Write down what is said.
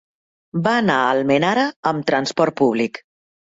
Va anar a Almenara amb transport públic.